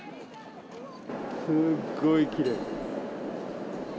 すっごいきれい。